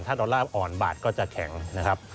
ถ้าดอลลาร์อ่อนบาทก็จะแข็งนะครับ